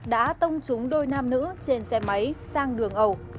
đã tông trúng đôi nam nữ trên xe máy sang đường ẩu